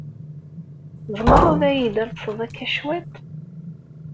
Tzemreḍ ad iyi-d-talseḍ akka cwiṭ?